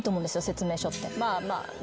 説明書って。